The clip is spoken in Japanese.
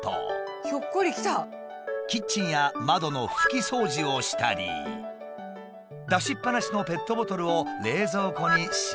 キッチンや窓の拭き掃除をしたり出しっぱなしのペットボトルを冷蔵庫にしまっています。